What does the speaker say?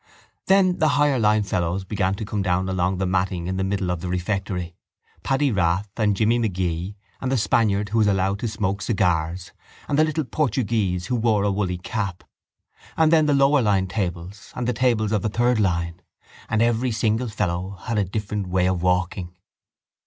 Then the higher line fellows began to come down along the matting in the middle of the refectory, Paddy Rath and Jimmy Magee and the Spaniard who was allowed to smoke cigars and the little Portuguese who wore the woolly cap. And then the lower line tables and the tables of the third line. And every single fellow had a different way of walking.